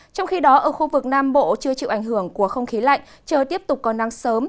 trong khi đó ở khu vực nam bộ chưa chịu ảnh hưởng của không khí lạnh trời tiếp tục có nắng sớm